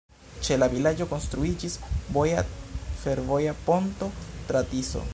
Ĉe la vilaĝo konstruiĝis voja-fervoja ponto tra Tiso.